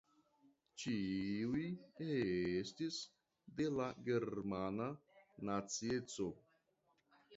Ĉiuj estis de la germana nacieco.